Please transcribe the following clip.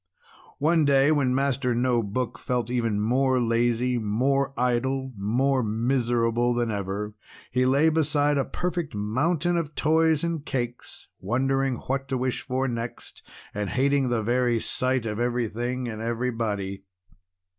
One day, when Master No Book felt even more lazy, more idle, more miserable than ever, he lay beside a perfect mountain of toys and cakes, wondering what to wish for next, and hating the very sight of everything and everybody.